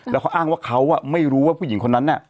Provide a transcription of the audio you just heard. แล้วเขาอ้างว่าเขาไม่รู้ว่าผู้หญิงคนนั้นน่ะ